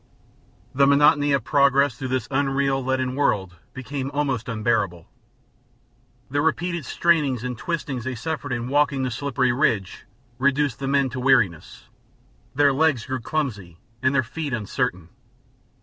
The monotony of progress through this unreal, leaden world became almost unbearable. The repeated strainings and twistings they suffered in walking the slippery ridge reduced the men to weariness; their legs grew clumsy and their feet uncertain.